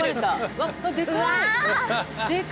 うわっでかい。